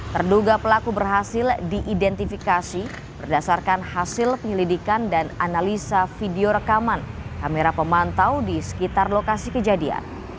terduga pelaku berhasil diidentifikasi berdasarkan hasil penyelidikan dan analisa video rekaman kamera pemantau di sekitar lokasi kejadian